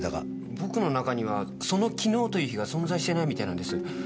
僕の中にはその昨日という日が存在してないみたいなんです。